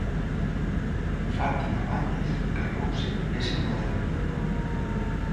Fátima Báñez cargouse ese modelo.